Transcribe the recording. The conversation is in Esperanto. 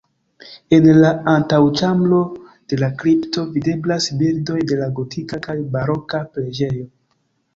En la antaŭĉambro de la kripto videblas bildoj de la gotika kaj baroka preĝejo.